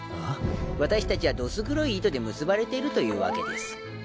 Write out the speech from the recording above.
わたしたちはどす黒い糸で結ばれているというわけです。